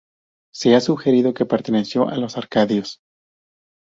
Se ha sugerido que perteneció a los arcadios.